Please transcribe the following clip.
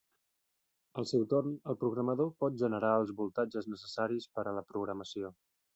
Al seu torn, el programador pot generar els voltatges necessaris per a la programació.